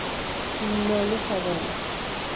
No lo sabemos.